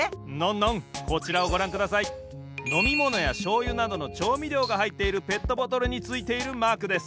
のみものやしょうゆなどのちょうみりょうがはいっているペットボトルについているマークです。